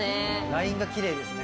ラインがキレイですね。